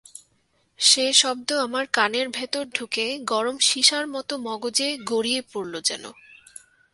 সে শব্দ আমার কানের ভেতর ঢুকে গরম সিসার মতো মগজে গড়িয়ে পড়ল যেন।